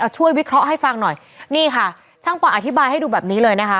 ช่วยวิเคราะห์ให้ฟังหน่อยนี่ค่ะช่างป่ออธิบายให้ดูแบบนี้เลยนะคะ